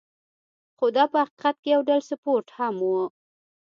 خو دا په حقیقت کې یو ډول سپورت هم و.